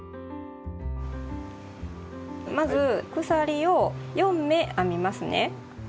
まず鎖を４目編みますね。